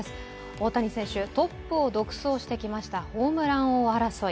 大谷選手、トップを独走してきましたホームラン王争い。